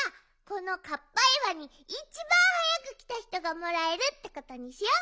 このカッパいわにいちばんはやくきたひとがもらえるってことにしよ。